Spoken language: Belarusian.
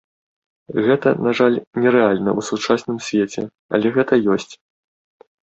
Гэта, на жаль, не рэальна ў сучасным свеце, але гэта ёсць.